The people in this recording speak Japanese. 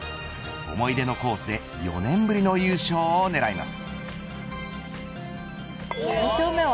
思い出のコースで４年ぶりの優勝を狙います。